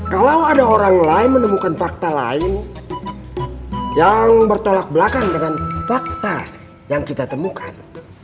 kalau ada orang lain menemukan fakta lain yang bertolak belakang dengan fakta yang kita temukan